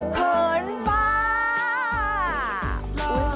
เขินฟ้า